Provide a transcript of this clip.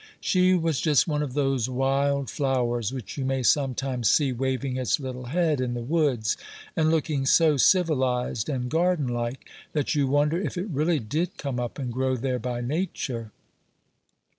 She was just one of those wild flowers which you may sometimes see waving its little head in the woods, and looking so civilized and garden like, that you wonder if it really did come up and grow there by nature.